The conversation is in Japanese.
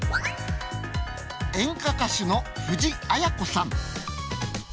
演歌歌手の藤あや子さん。